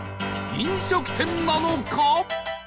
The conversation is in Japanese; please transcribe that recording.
飲食店なのか？